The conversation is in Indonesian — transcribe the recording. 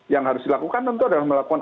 yang harus dilakukan tentu adalah melakukan